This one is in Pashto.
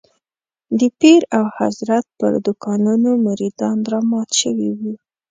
د پیر او حضرت پر دوکانونو مريدان رامات شوي وو.